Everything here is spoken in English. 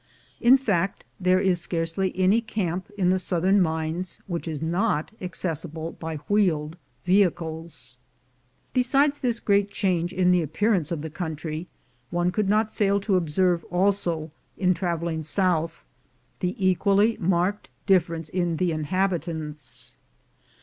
In fact, there is scarcely any camp in the southern mines which is not accessible by wheeled vehiclec. Besides this great change in the appearance of the country, one could not fail to observe also, in travel ing south, the equally marked difference in the in habitants.